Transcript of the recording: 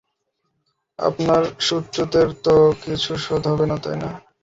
আপনার সুদ-টুদের তো কিছু শোধ হবে না, তাই না?